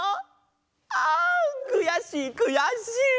あんくやしいくやしい！